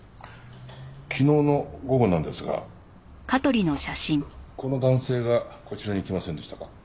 昨日の午後なんですがこの男性がこちらに来ませんでしたか？